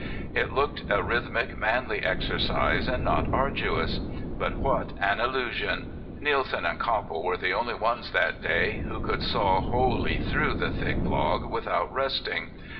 It looked a rhythmic, manly exercise, and not arduous. But what an illusion! Nielsen and Copple were the only ones that day who could saw wholly through the thick log without resting.